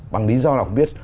bằng lý do nào cũng biết